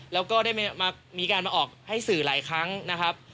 แล้วก็ได้มีการมาออกให้สื่อหลายครั้งนะครับ